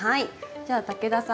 じゃあ武田さん